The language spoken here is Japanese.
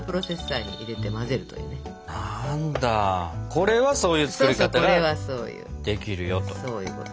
これはそういう作り方ができるよと。